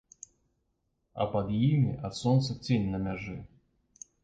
А пад імі ад сонца цень на мяжы.